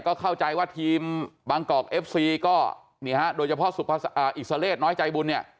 ก็เข้าใจว่าทีมเอฟซีก็เนี้ยฮะโดยเฉพาะอร่อยใจบุ่นเนี้ย